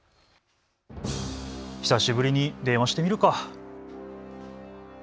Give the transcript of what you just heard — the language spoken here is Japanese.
久しぶりに電話してみるか。